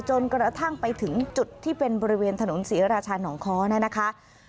จนกระทั่งไปถึงจุดที่เป็นบริเวณถนนศรีราชานองค้อนะคะ